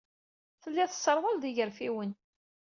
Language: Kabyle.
Tellid tesserwaled igerfiwen.